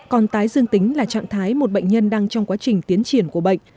còn tái dương tính là trạng thái một bệnh nhân đang trong quá trình tiến triển của bệnh